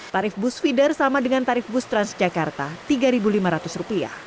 tarif bus feeder sama dengan tarif bus transjakarta rp tiga lima ratus